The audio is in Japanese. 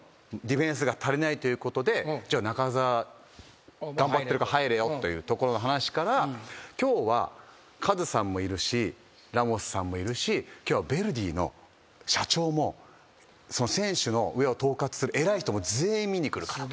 中澤頑張ってるから入れよというところの話から今日はカズさんもいるしラモスさんもいるし今日はヴェルディの社長も選手の上を統括する偉い人も全員見に来るからと。